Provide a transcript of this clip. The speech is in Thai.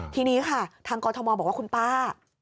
ทีนี้ทางกทมบอกว่าคุณป่า